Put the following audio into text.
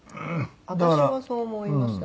私はそう思いました。